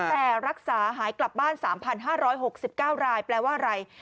แต่รักษาหายกลับบ้าน๓๕๖๙รายแปลว่าอะไร